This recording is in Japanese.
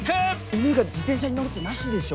犬が自転車に乗るってなしでしょ。